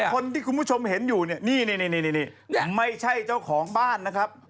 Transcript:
คนที่คุณผู้ชมเห็นอยู่เนี่ยนี่ไม่ใช่เจ้าของบ้านนะครับ